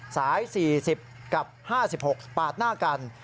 สาย๔๐กับ๕๖ปาดหน้ากัน